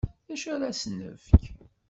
D acu ara asen-nefk?